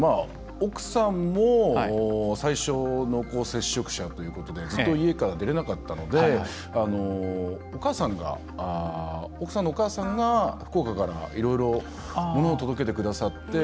奥さんも最初濃厚接触者ということでずっと家から出れなかったので奥さんのお母さんが福岡からいろいろ物を届けてくださって。